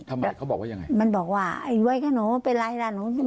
ทำไมเขาบอกว่ากันอย่างไร